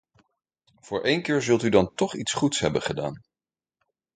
Voor een keer zult u dan toch iets goeds hebben gedaan.